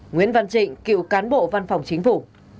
nguyễn văn trịnh cựu cán bộ văn phòng chính phủ